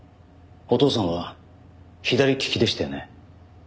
お父さんは左利きでしたよね？